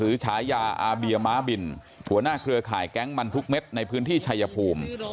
ฉายาอาเบียม้าบินหัวหน้าเครือข่ายแก๊งมันทุกเม็ดในพื้นที่ชายภูมิ